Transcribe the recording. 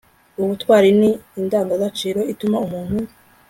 ubutwari ni indangagaciro ituma umuntu